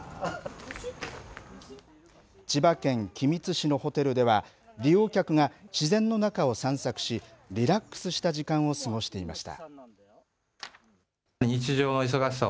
千葉県君津市のホテルでは利用客が自然の中を散策しリラックスした時間を過ごしていました。